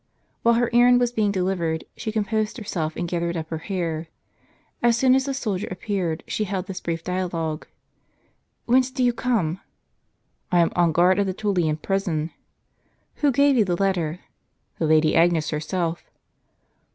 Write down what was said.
While her errand was being delivered, she composed her self, and gathered up her hair. As soon as the soldier appeared she held this brief dialogue :" Whence do you come ?"" I am on guard at the Tullian prison." " Who gave you the letter? "" The Lady Agnes herself."